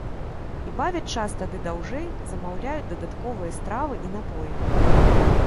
І бавяць час тады даўжэй, замаўляюць дадатковыя стравы і напоі.